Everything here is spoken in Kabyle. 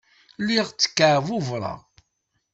Lliɣ ttkeɛbubureɣ.